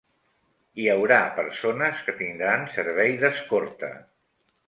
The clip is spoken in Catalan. Hi haurà persones que tindran servei d'escorta.